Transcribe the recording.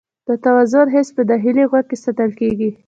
د توازن حس په داخلي غوږ کې ساتل کېږي.